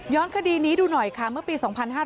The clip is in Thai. คดีนี้ดูหน่อยค่ะเมื่อปี๒๕๕๙